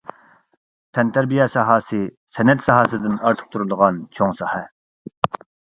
تەنتەربىيە ساھەسى. سەنئەت ساھەسىدىن ئارتۇق تۇرىدىغان چوڭ ساھە.